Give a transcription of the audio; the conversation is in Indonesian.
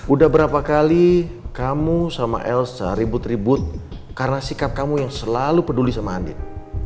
udah berapa kali kamu sama elsa ribut ribut karena sikap kamu yang selalu peduli sama andin